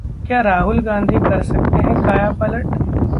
क्या राहुल गांधी कर सकते हैं कायापलट?